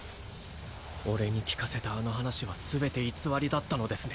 俺に聞かせたあの話は全て偽りだったのですね